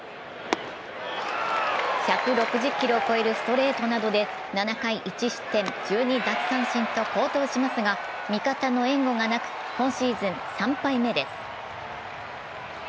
１６０キロを超えるストレートなどで７回１失点１２奪三振と味方の援護がなく、今シーズン３敗目です。